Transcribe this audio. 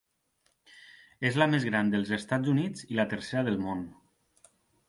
És la més gran dels Estats Units i la tercera del món.